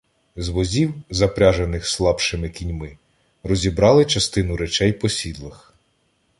З возів, запряжених слабшими кіньми, розібрали частину речей по сідлах.